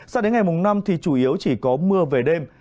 sao đến ngày mùng năm thì chủ yếu chỉ có mưa về đêm